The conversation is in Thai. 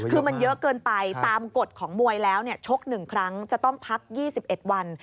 คือมันเยอะเกินไปตามกฎของมวยแล้วชก๑ครั้งจะต้องพัก๒๑วัน